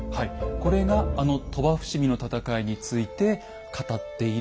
これがあの鳥羽伏見の戦いについて語っている記述なんですよ。